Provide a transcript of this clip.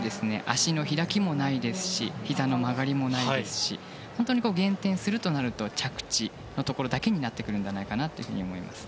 足の開きもないですしひざの曲がりもないですし本当に減点するとなると着地のところだけになると思います。